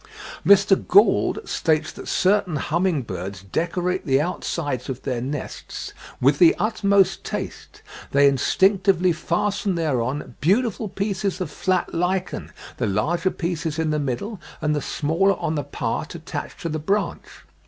Mr. Gould states that certain humming birds decorate the outsides of their nests "with the utmost taste; they instinctively fasten thereon beautiful pieces of flat lichen, the larger pieces in the middle, and the smaller on the part attached to the branch.